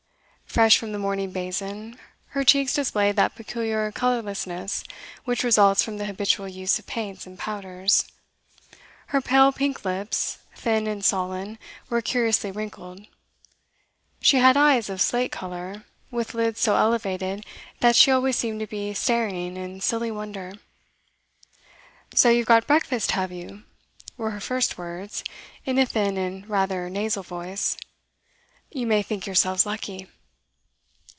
Fresh from the morning basin, her cheeks displayed that peculiar colourlessness which results from the habitual use of paints and powders; her pale pink lips, thin and sullen, were curiously wrinkled; she had eyes of slate colour, with lids so elevated that she always seemed to be staring in silly wonder. 'So you've got breakfast, have you?' were her first words, in a thin and rather nasal voice. 'You may think yourselves lucky.